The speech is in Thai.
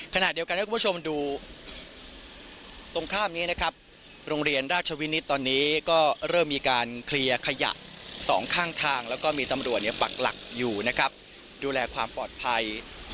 ขณะเดียวกันให้คุณผู้ชมดูตรงข้ามนี้นะครับโรงเรียนราชวินิตตอนนี้ก็เริ่มมีการเคลียร์ขยะสองข้างทางแล้วก็มีตำรวจปักหลักอยู่นะครับดูแลความปลอดภัย